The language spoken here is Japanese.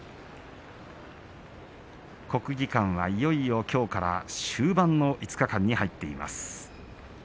国技館はいよいよきょうから終盤の５日間に入っています。